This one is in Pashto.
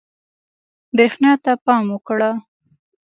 برېښنا ته پام وکړه.